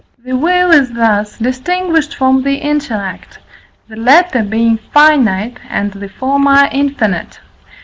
The will is thus distinguished from the intellect, the latter being finite and the former infinite.